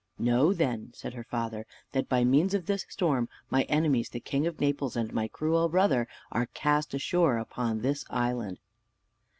"Know then," said her father, "that by means of this storm, my enemies, the king of Naples, and my cruel brother, are cast ashore upon this island."